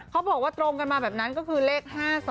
เขาบอกว่าตรงกันมาแบบนั้นก็คือเลข๕๒